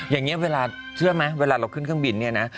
อย่างนี้เวลาเชื่อไหมเวลาเราขึ้นเครื่องบินเนี่ยนะ